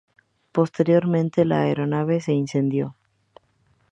Posteriormente, la aeronave se incendió.